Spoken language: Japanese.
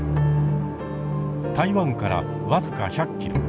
台湾から僅か１００キロ